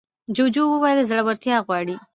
جوجو وویل زړورتيا غواړي.